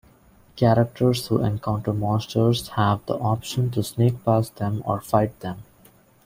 Characters who encounter monsters have the option to sneak past them or fight them.